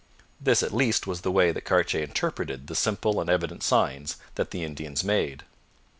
This, at least, was the way that Cartier interpreted the simple and evident signs that the Indians made.